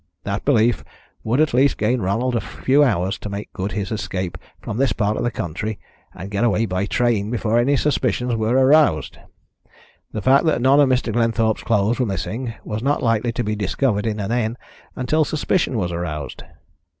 That belief would at least gain Ronald a few hours to make good his escape from this part of the country and get away by train before any suspicions were aroused. The fact that none of Mr. Glenthorpe's clothes were missing was not likely to be discovered in an inn until suspicion was aroused.